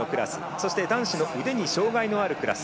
そして、男子の腕に障がいのあるクラス。